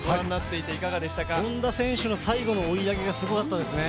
本多選手の最後の追い上げがすごかったですね。